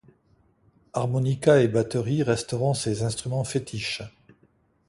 Harmonica et batterie resteront ses instruments fétiches.